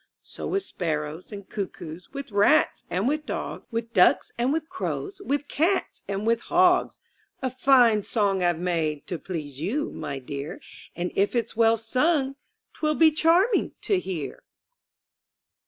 So with sparrows and cuckoos. With rats and with dogs. With ducks and with crows, With cats and with hogs! A fine song I've made To please you, my dear, And if it's well sung. Twill be charming to hear.